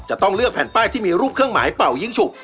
จะต้องเลือกแผ่นป้ายที่มีรูปเครื่องหมายเป่ายิ้งฉุก